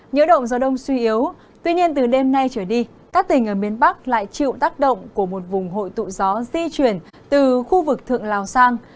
nhớ động gió đông suy yếu tuy nhiên từ đêm nay trở đi các tỉnh ở miền bắc lại chịu tác động của một vùng hội tụ gió di chuyển từ khu vực thượng lào sang